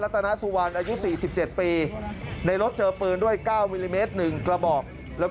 ตอนนี้ก็ยิ่งแล้ว